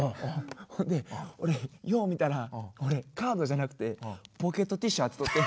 ほんで俺よう見たら俺カードじゃなくてポケットティッシュ当てとってん。